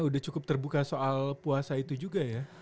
udah cukup terbuka soal puasa itu juga ya